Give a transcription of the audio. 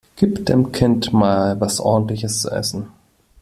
Gib dem Kind mal was Ordentliches zu essen!